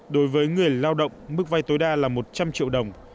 đối với người lao động mức vay tối đa là một trăm linh triệu đồng